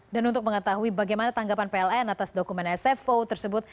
dan untuk mengetahui bagaimana tanggapan pln atas dokumen spfo tersebut